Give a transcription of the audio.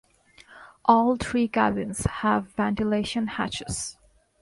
All three cabins have ventilation hatches.